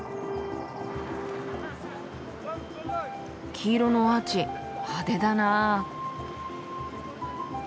黄色のアーチ派手だなあ。